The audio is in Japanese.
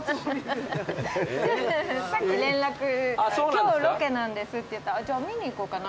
さっき連絡「今日ロケなんです」って言ったら「じゃあ見に行こうかな」